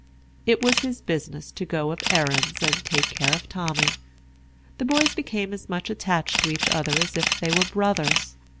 It was his business to go of errands and take care of Tommy. The boys became as much attached to each other as if they were brothers.